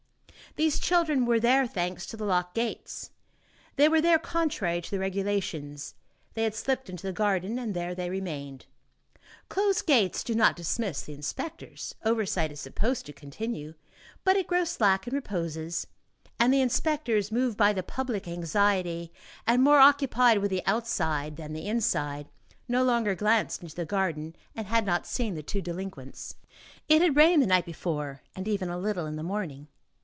These children were there, thanks to the locked gates. They were there contrary to the regulations. They had slipped into the garden and there they remained. Closed gates do not dismiss the inspectors, oversight is supposed to continue, but it grows slack and reposes; and the inspectors, moved by the public anxiety and more occupied with the outside than the inside, no longer glanced into the garden, and had not seen the two delinquents. It had rained the night before, and even a little in the morning.